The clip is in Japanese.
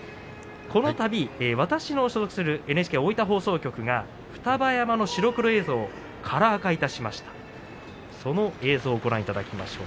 このたび私の所属するＮＨＫ大津放送局が双葉山の白黒をが映像をカラー化いたしました。